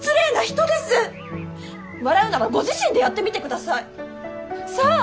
笑うならご自身でやってみてください。さあ！